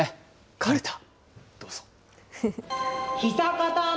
かるた、どうぞ。